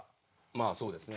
まあそうですね。